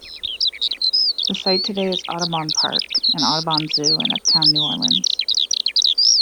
The site today is Audubon Park and Audubon Zoo in uptown New Orleans.